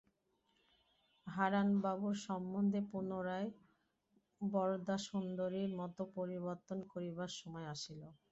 হারানবাবুর সম্বন্ধে পুনরায় বরদাসুন্দরীর মত পরিবর্তন করিবার সময় আসিল।